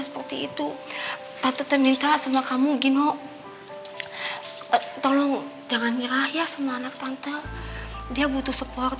seperti itu patutnya minta sama kamu gino tolong jangan ngeraya sama anak tante dia butuh support